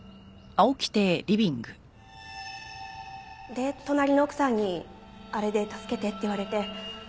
で隣の奥さんにあれで「助けて」って言われて。